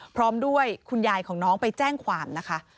พร้อมด้วยคุณยายของน้องไปแจ้งความนะคะ